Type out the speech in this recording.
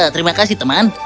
terima kasih teman